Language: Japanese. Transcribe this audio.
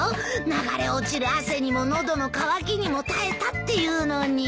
流れ落ちる汗にも喉の渇きにも耐えたっていうのに。